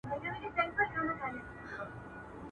بيا به ساز بيا به نڅا بيا به نگار وو.